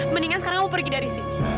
mendingan sekarang kamu pergi dari sini